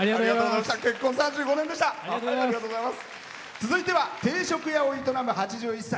続いては定食屋を営む８１歳。